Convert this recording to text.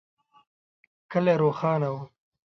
کلی روښانه و.